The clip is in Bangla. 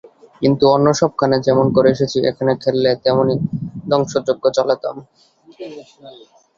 কিন্তু অন্য সবখানে যেমন করে এসেছি, এখানে খেললে তেমনই ধ্বংসযজ্ঞ চালাতাম।